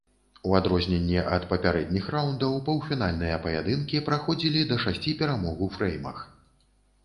У адрозненне ад папярэдніх раўндаў паўфінальныя паядынкі праходзілі да шасці перамог у фрэймах.